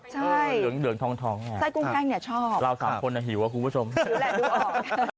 ใช่เหลืองเหลืองทองทองไส้กุ้งแห้งเนี้ยชอบเราสามคนอ่ะหิวอ่ะคุณผู้ชมหิวแหละดูออก